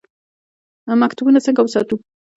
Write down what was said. مکتبونه څنګه وساتو؟